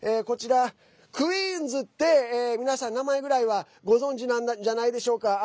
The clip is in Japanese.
こちら、クイーンズって皆さん名前ぐらいはご存じなんじゃないでしょうか。